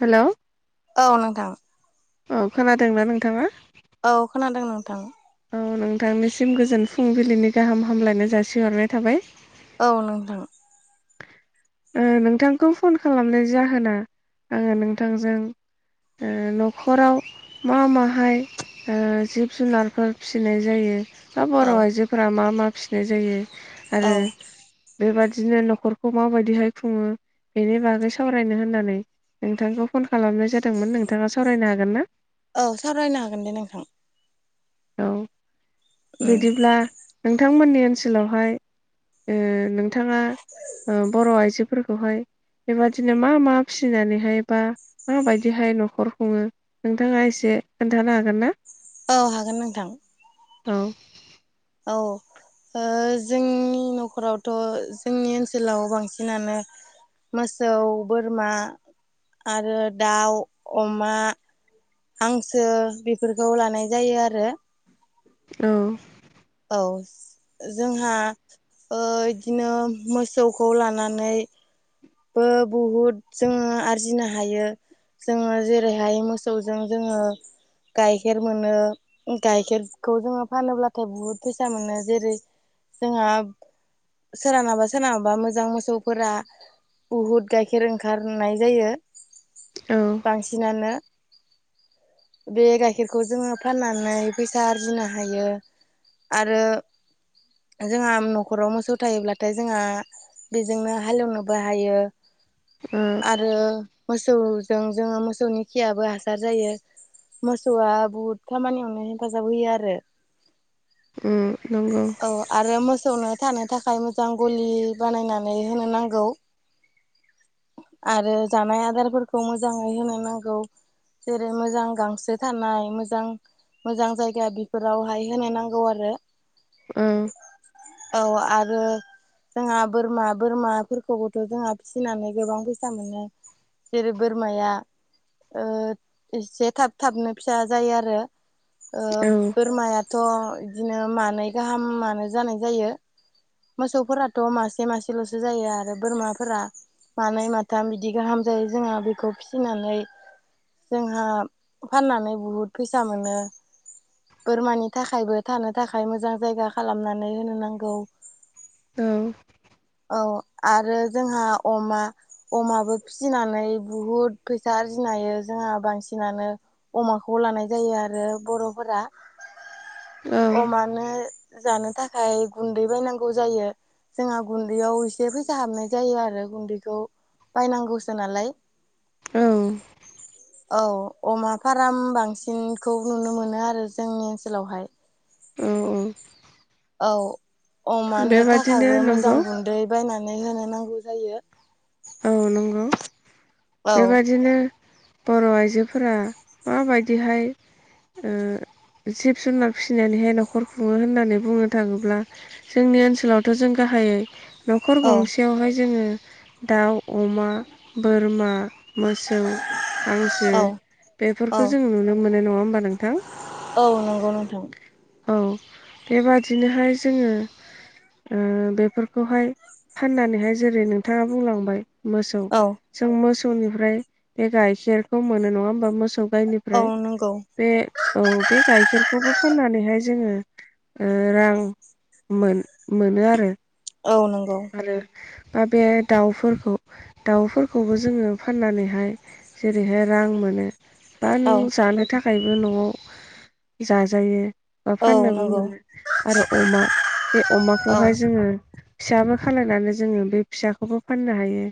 हेल' औ नोंथां? औ खोनादोंना नोंथांङा? औ खोनादों नोंथां- औ नोंथांनिसिम गोजोन फुंबिलिनि गाहाम हामलायनाय जासिहरनाय थाबाय। औ नोंथां। नोंथांखौ फन खालामनाय जाहोना आङो नोंथांजों न'खराव मा माहाय जिब जुनारफोर फिसिनाय जायो। दा बर' औ आइजोफोरा मा मा फिसिनाय जायो औ आरो बेबादिनो न'खरखौ माबायदिहाय खुङो बेनि बागै सावरायनो होननानै नोंथांखौ फन खालामनाय जादोंमोन नोंथाङा सावरायनो हागोन ना? औ सावरायनो हागोन दे नोंथां। औ। उम बिदिब्ला नोंथांमोननि ओनसोलावहाय नोंथांङा बर' आइजोफोरखौहाय बेबादिनो मा मा फिसिनानैहाय बा माबायदिहाय न'खर खुङो नोंथाङा एसे खोन्थानो हागोन ना? औ हागोन नोंथां। औ। औ। ओ जोंनि न'खरावथ' जोंनि ओनसोलाव बांसिनानो मोसौ बोरमा आरो दाउ अमा हांगसो बेफोरखौ लानाय जायो आरो। औ। औ जोंहा बिदिनो मोसौवखौ लानानै बो बहुद जोंङो आरजिनो हायो। जोंङो जेरैहाय मोसौवजों जोंङो गाइखेर मोनो गाइखेरखौ जोंङो फानोब्लाथाय बुहुद फैसा मोनो जेरै जोंहा सोरनाबा सोरनाबा मोजां मोसौव फोरा बहुद गाइखेर ओंखारनाय जायो। औ। बांसिनानो। बे गाइखेरखौ जोङो फाननानै फैसा आरजिनो हायो। आरो। जोंहा न'खराव मोसौ थायोब्लाथाय जोंहा बेजोंनो हालेवनो। बाहायो। ओ। आरो मोसौजों जोंङो मोसौनि खियाबो हासार जायो। मोसौव आ बुहुद खामानियावनो हेफाजाब होयो आरो नंगौ। औ आरो मोसौवनो थानो थाखाय मोजां गलि बानायनानै होनो नांगौव। आरो जानाय आदारफोरखौ मोजांङै होनो नांगौव जेरै मोजां गांसो थानाय मोजां मोजां जायगा बेफोरावहाय होनाय नांगौ आरो। ओम। औ आरो जोंहा बोरमा-बोरमाफोरखौबो। जोंहा फिसिनानै गोबां फैसा मोनो। जेरै बोरमाया ओ एसे थाब-थाबनो फिसा जायो आरो ओ औ बोरमाया। थ' बिदिनो मानै गाहामानो जानाय जायो। मोसौफोराथ' मासे - मासेल'सो जायो। आरो बोरमाफोरा मानै, माथाम बिदि गाहाम जायो। जोंहा बेखौ फिसिनानै। जोंहा फाननानै बहुद फैसा मोनो। बोरमानि थाखायबो थानो थाखाय मोजां जायगा खालामनानै होनो नांगौ। औ। औ आरो जोंहा, अमा। अमाबो फिसिनानै बहुद फैसा आरजिनो हायो जोंहा बांसिनानो। अमाखौ लानाय जायो आरो बर'फोरा। [unintelligible] अमानो। जानो थाखाय गुन्दै बायनांगौ जायो। जोंहा गुन्दैयाव जे फैसा हाबनाय जायो आरो गुन्दैखौ बायनांगौसो नालाय। [unintelligible] औ अमा फाराम बांसिन खौ नुनो मोनो आरो जोंनि ओनसोलावहाय। औ-औ। औ अमानि बेबादिनो थाखायबो मोजां नंगौ गुन्दै बायनानै होनो नांगौ जायो। औ नंगौ। औ बेबादिनो। बर' आइजोफोरा माबायदिहाय। ओ जिब- जुनार फिसिनानैहाय न'खर खुङो होननानै बुंनो थाङोब्ला। जोंनि ओनसोलावथ' जों गाहायै। न'खर औ गंसेयावहाय जोङो दाउ, अमा, बोरमा। मोसौ, हांसो औ औ बेफोरखौ जों नुनो मोनो नङा होमबा नोंथां? अ नांगौ नोंथां। औ बेबादिनोहाय जोङो। ओ बेफोरखौहाय, फाननानैहाय जेरै- नोंथाङा बुंलांबाय मोसौ। औ जों मोसौनिफ्राय बे गाइखेरखौ मोनो नङा होमबा? मोसौ गायनिफा। औ नंगौ। बे औ बे गाइखेरखौबो फाननानैहाय जोङो। ओ रां मोन-मोनो आरो। औ नंगौ। आरो बा बे दाउफोरखौबो दाउफोरखौबो जोङो फाननानैहाय जेरैहाय रां मोनो। बा औ नों जानो थाखायबो न'आव जाजायो। बा औ फाननोबो नंगौ मोनो आरो अमा बे औ अमाखौहाय जोङो फिसाबो खालायनानै जोङो बे फिसाखौबो फाननो हायो।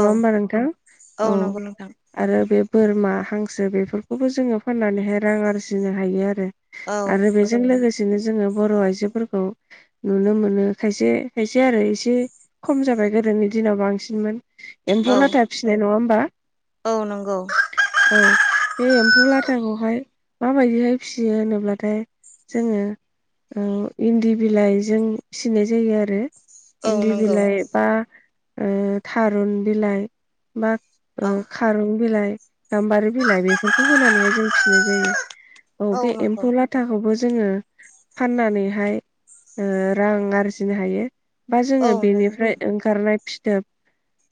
औ ओमबा नोंथां औ नंगौ नोंथां आरो बे बोरमा हांसो बेफोरखौबो जोङो फाननानैहाय रां आरजिनो हायो आरो औ आरो बेजों लोगोसेनो जोङो बर' आइजोफोरखौ नुनो मोनो खायसे खायसे आरो एसे खम जाबाय गोदोनि दिनाव बांसिनमोन। औ एम्फौ लाथा फिनाय नङा होनोमबा? औ नंगौ। औ बे एम्फौ लाथाखौहाय माबायदिहाय फिसियो होनोब्लाथाय। जोङो ओ इन्दि बिलाइ जों फिसिनाय जायो। आरो औ इन्दि नंगौ बिलाइ बा, ओ थारुन बिलाइ बा औ ओ। खारं बिलाइ, गाम्बारि बिलाइ बेफोरखौ होनोनानै जों फिसिनाय जायो। औ बे एम्फौ लाथ। थाखौबो जोङो फाननानैहाय रां आरजिनो हायो। बा औ जोङो नंगौ बेनिफ्राय ओंखारनाय फिथोब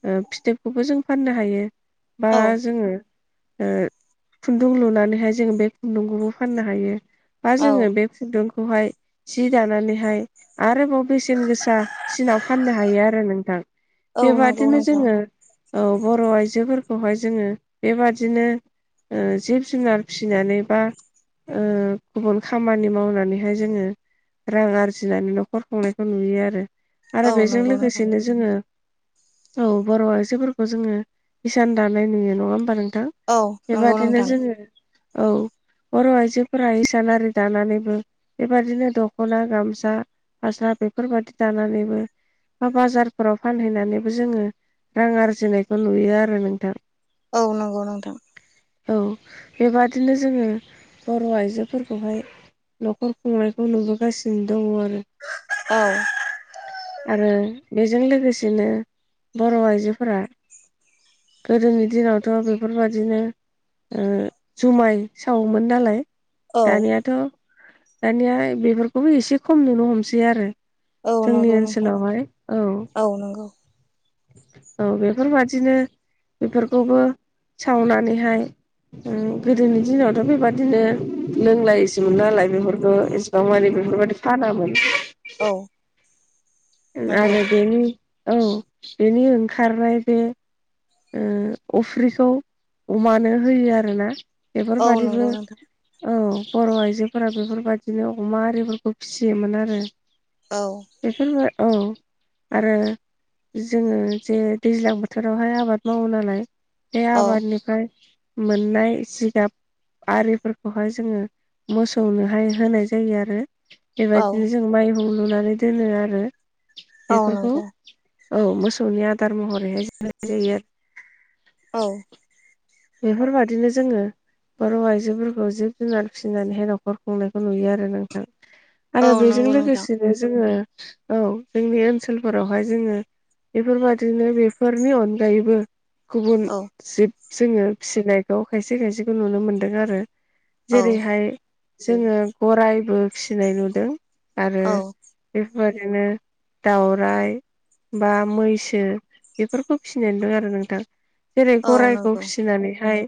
ओ फिथोबखौबो जों फाननो हायो। बा औ जोङो खुन्दुं लुनानैहाय जोंङो बे खुन्दुंखौबो फाननो हायो। बा औ जोङो बे खुन्दुंखौहाय जि दानानैहाय आरोबाव बेसेन गोसा फिसा सिनाव फाननो हायो आरो नोंथां औ नंगौ बेबादिनो नोंथां जोङो औ बर' आइजोफोरखौहाय जोङो बेबादिनो जिब जुनार फिसिनानैबा ओ गुबुन खामानि मावनानैहाय जोङो रां आरजिनानै न'खर खुंनायखौ नुयो आरो आरो औ बेजों नंगौ नोंथां लोगोसेनो जोङो औ बर' आइजोफोरखौ जोङो इसान दानाय नुयो नङा ओमबा नोंथां? औ नंगौ बेबादिनो नोंथां जोङो औ बर' आइजोफोरा इसान आरि दानानैबो बेबायदिनो दख'ना गामसा हास्ला बेफोरबायदि दानानैबो बा बाजारफोराव फानहैनानैबो जोङो रां आरजिनायखौ नुयो आरो नोंथां। औ नंगौ नोंथां। औ बेबादिनो जोङो बर' आइजोफोरखौहाय न'खर खुंनायखौ नुबोगासिनो दङ आरो ओ आरो बेजों लोगोसेनो बर' आइजोफोरा गोदोनि दिनावथ' बेफोरबादिनो ओ जुमाय सावोमोन नालाय। औ दानियाथ' दानिया बेफोरखौबो एसे खम नुनो हमसै आरो औ जोंनि नंगौ नोंथां ओनसोलावहाय औ औ बेफोरबादिनो बेफोरखौबो सावनानैहाय गोदोनि दिनावथ' बेबादिनो लोंलायसो मोनलालाय बेफोरखौ मानि बेफोरबादि फानामोन। औ नंगौ आरो बेनि औ बेनि ओंखारनाय बे अफ्रिखौ अमानो होयो आरोना औ बेफोरबादिबो नंगौ नोंथां औ बर' आइजोफोरा बेफोरबायदिनो अमा आरिफोरखौ फिसियोमोन आरो औ बेफोर औ आरो जोङो जे दैज्लां बोथोरावहाय आबाद मावो नालाय बे औ आबादनिफ्राय मोननाय जिगाब आरिफोरखौहाय जोङो मोसौनोहाय होनाय जायो आरो औ बेबायदिनो जों माइहुं लुनानै दोनो आरो औ बेफोरखौ नंगौ औ मोसौनि आदार महरैहाय जा [unintelligible] जायो औ बेफोरबादिनो जोङो बर' आइजोफोरखौ जिब जुनार फिसिनानैहाय न'खर खुंनायखौ नुयो आरो नोंथां। आरो औ बेजों नंगौ नोंथां लोगोसेनो जोङो औ जोंनि ओनसोलफोरावहा जोङो बेफोरबादिनो बेफोरनि अनगायैबो गुबुन औ जिब जोङो फिसिनायखौ खायसे खायसेखौ नुनो मोनदों आरो औ जेरैहाय जोङो गरायबो फिनाय नुदों आरो औ बेफोरबादिनो दाउराइ। बा मैसो बेफोरखौ फिनानै दं आरो नोंथां जेरै औ गराइ नंगौ फिसिनानैहाय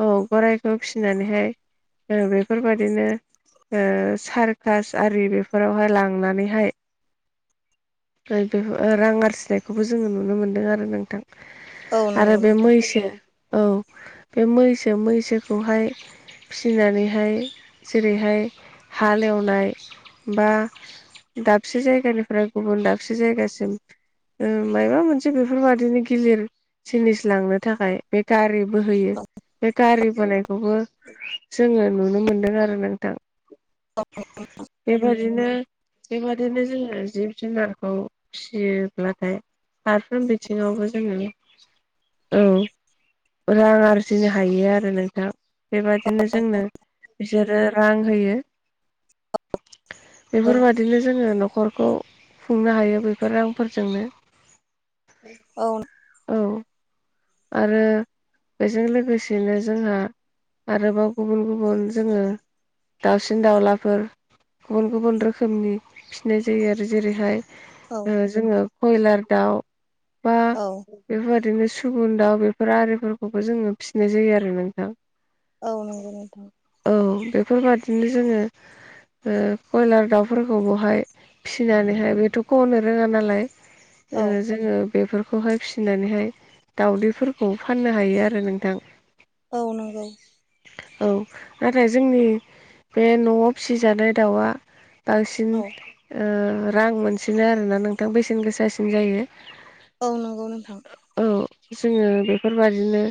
औ गराइखौ फिसिनानैहाय बेफोरबायाददिनो सारकास आरि बेफोरावहाय लांनानैहाय बे रां आरजिनायखौबो जोङो नुनो मोन्दों आरो नोंथां। औ आरो नंगौ बे नोंथां मैसो औ बे मैसो मैसोखौहाय फिसिनानैहाय जेरैहाय हालेवनाय बा दाबसे जायगानिफ्राय गुबुन दाबसे जायगासिम ओ मायबा मोनसे बेफोरबादिनो गिलिर जिनिस लांनो थाखाय बे गारि बोहोयो बे गारि बोनायखौबो जोङो नुनो मोनदों आरो नों थां बेबा बिदिनो बेबादिनो जोङो जिब जुनारखौ फिसियोब्लाथाय फारफ्रोम बिथिङावबो जोङो औ। रां आरजिनो हायो आरो नोंथां। बेबादिनो जोंनो बिसोरो रां होयो। बेफोरबादिनो जोङो न'खरखौ खुंनो हायो बेफोर रांफोरजोंनो। औ। औ। आरो बेजों लोगोसेनो जोंहा आरोबाव गुबुन गुबुन जोङो दावसिन दाउलाफोर गुबुन गुबुन रोखोमनि फिसिनाय जायो आरो जेरैहाय औ ओ जोङो कयलार दाउ बा औ। बेफोरबायदिनो सुबुन दाउ बेफोर आरिफोरखौबो जोङो फिसिनाय जायो आरो नोंथां। औ नंगौ नोंथां। औ बेफोरबादिनो जोङो ओ कयलार दाउफोरखौ बहाय फिसिनानैहाय बेथ' गनो रोङा नालाय औ ओ जोङो बेफोरखौहाय फिसिनानैहाय दाउदैफोरखौ फाननो हायो आरो नोंथां। औ नंगौ। औ। नाथाय जोंनि बे न'आव फिसिजानाय दाउआ बांसिन औ ओ रां मोनसिनो आरो ना नोंथां बेसेन गोसासिन जायो। औ नंगौ नोंथां। औ जोङो बेफोरबादिनो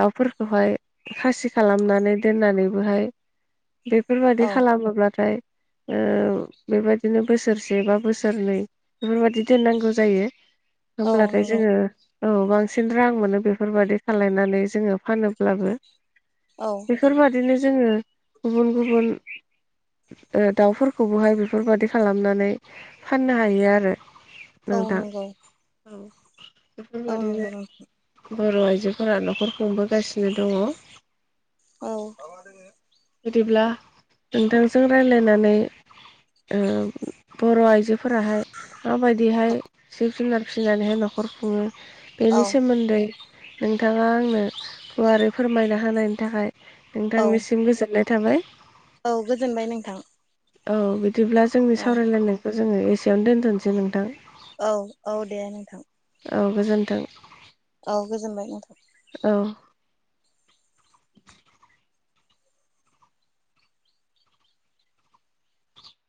दाउफोरखौहाय खासि खालामनानै दोननानैबोहाय बेफोरबादि औ खालामोब्लाथाय ओ बेबायदिनो बोसोरसे बा बोसोरनै बेफोरबादि दोननांगौ जायो। औ होमब्लाथाय नंगौ जोङो औ बां सिन रां मोनो बेफोरबादि खालायनानै जोङो फानोब्लाबो। औ। बेफोरबादिनो जोंङो गुबुन-गुबुन ओ दाउफोरखौबोहाय बेफोरबादि खालामनानै फाननो हायो आरो। औ नोंथां। नंगौ औ औ नंगौ बेफोरबायादिनो नोंथां बर' आइजोफोरा न'खर खुंबोगासिनो दङ। औ। बिदिब्ला नोंथांजों रायलायनानै ओम बर' आइजोफोराहाय माबायदिहाय जिब जुनार फिसिनानैहाय न'खर खुङो औ बेनि सोमोन्दै नोंथाङा आंनो गुवारै फोरमायना होनायनि थाखाय औ नोंथांनिसिम गोजोननाय थाबाय। औ गोजोनबाय नोंथां। औ बिदिब्ला जोंनि औ सावरायलायनायखौ जोङो एसेयावनो दोनथ'नोसै नोंथां। औ औ दे नोंथां। औ गोजोन्थों। औ गोजोनबाय नोंथां। औ।